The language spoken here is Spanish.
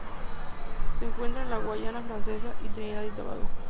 Se encuentra en la Guayana Francesa y Trinidad y Tobago.